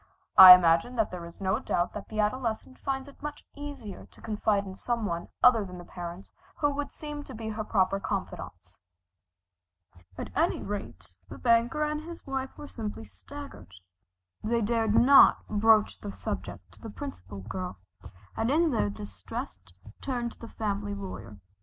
I imagine that there is no doubt that the adolescent finds it much easier to confide in some one other than the parents who would seem to be her proper confidants. At any rate the banker and his wife were simply staggered. They dared not broach the subject to the Principal Girl, and in their distress turned to the family lawyer.